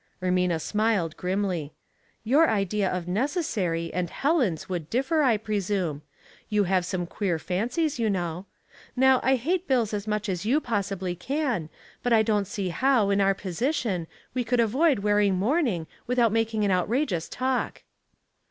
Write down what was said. Ermina smiled grimly. " Your idea of * neces sary ' and Helen's would differ, I presume. You have some queer fancies, you know. Now, I hate bills as much as you possibly can, but I don't see how, in our position, we could avoid wearing mourning without making an outrageous talk."